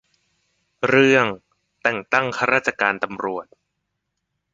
เรื่อง แต่งตั้งข้าราชการตำรวจ